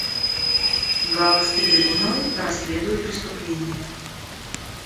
Гаагский трибунал расследует преступления.